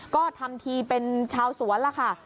ก็ทำทีเป็นชาวสวนล่ะค่ะ